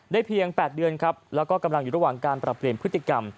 เพียง๘เดือนครับแล้วก็กำลังอยู่ระหว่างการปรับเปลี่ยนพฤติกรรม